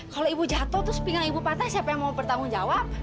kalau ibu jatuh terus pinggang ibu patah siapa yang mau bertanggung jawab